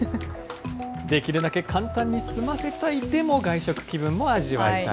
できるだけ簡単に済ませたい、でも外食気分も味わいたい。